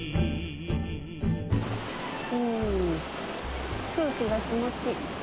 お空気が気持ちいい。